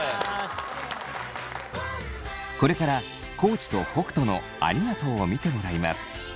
これから地と北斗のありがとうを見てもらいます。